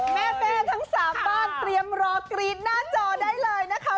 แม่ทั้ง๓บ้านเตรียมรอกรี๊ดหน้าจอได้เลยนะคะ